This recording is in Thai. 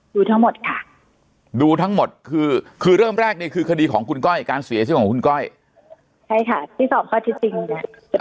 ดูทั้งหมดค่ะดูทั้งหมดคือคือเริ่มแรกนี่คือคดีของคุณก้อยการเสียชีวิตของคุณก้อยใช่ค่ะที่สอบข้อที่จริงเนี่ย